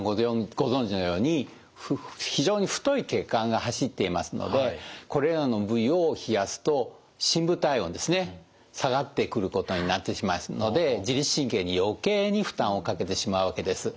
ご存じのように非常に太い血管が走っていますのでこれらの部位を冷やすと深部体温ですね下がってくることになってきますので自律神経に余計に負担をかけてしまうわけです。